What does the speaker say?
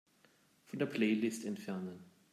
Von der Playlist entfernen.